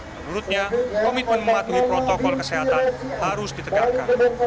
menurutnya komitmen mematuhi protokol kesehatan harus ditegakkan